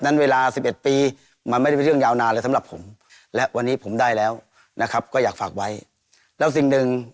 เวลาสิบเอ็ดปีมันไม่ได้เป็นเรื่องยาวนานเลยสำหรับผมและวันนี้ผมได้แล้วนะครับก็อยากฝากไว้แล้วสิ่งหนึ่ง